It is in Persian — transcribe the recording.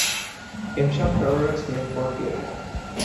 امشب قرار است مهمان بیاید.